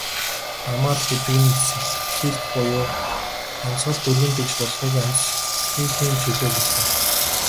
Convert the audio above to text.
Амал гэдэг нь сэгхийлт буюу амьсгал түргэн тэгш болохыг, амсхийхийн чөлөөг хэлнэ.